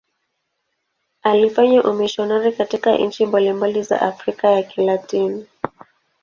Alifanya umisionari katika nchi mbalimbali za Amerika ya Kilatini.